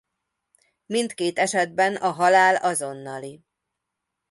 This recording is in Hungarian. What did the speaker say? Mindkét esetben a halál azonnali.